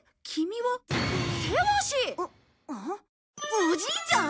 おじいちゃん！？